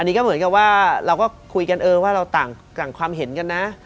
อันนี้ก็เหมือนกับว่าเราก็คุยกันเออว่าเราต่างความเห็นกันนะ